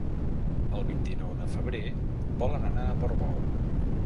El vint-i-nou de febrer volen anar a Portbou.